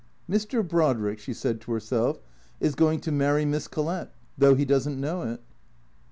" Mr. Brodrick," she said to herself, " is going to marry Miss Collett, though he does n't know it."